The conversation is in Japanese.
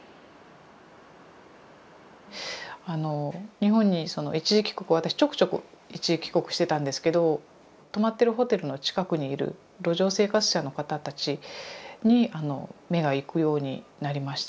日本にその一時帰国私ちょくちょく一時帰国してたんですけど泊まってるホテルの近くにいる路上生活者の方たちに目が行くようになりました。